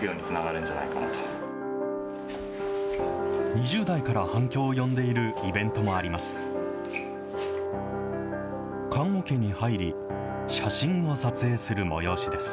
２０代から反響を呼んでいるイベントもあります。